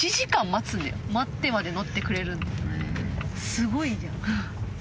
すごいじゃん。